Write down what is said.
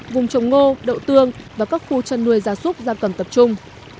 vùng trồng ngô đậu tương và các khu chăn nuôi gia súc gia cầm tập trung